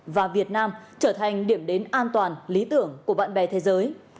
và việt nam trở thành điểm đến an toàn lý tưởng của bạn bè thế giới